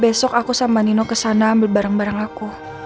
besok aku sama nino kesana ambil barang barang aku